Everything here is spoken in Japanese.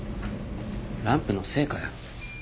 ランプの精かよ。